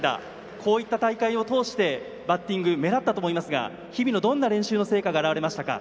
こういった大会を通してバッティング目立ったと思いますが日々のどんな練習の成果が表れましたか？